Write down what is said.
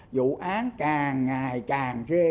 vụ án càng ngày càng ghê